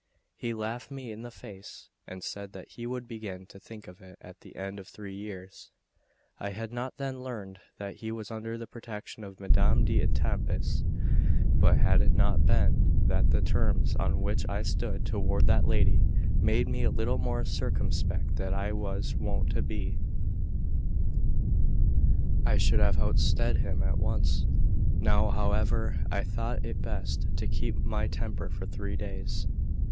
He laughed me in the face, and said that he would begin to think of it at the end of three years. I had not then learned that he was under the protection of Madame d'Etampes; but had it not been that the terms on which I stood toward that lady made me a little more circumspect than I was wont to be, I should have ousted him at once; now, however, I thought it best to keep my temper for three days.